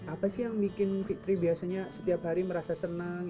apa sih yang bikin fitri biasanya setiap hari merasa senang